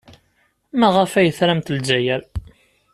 Maɣef ay tramt Lezzayer?